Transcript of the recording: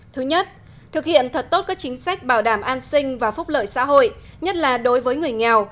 thứ nhất thực hiện thật tốt các chính sách bảo đảm an sinh và phúc lợi xã hội nhất là đối với người nghèo